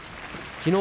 きのう